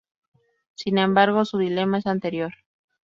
Sin embargo, su dilema es anterior.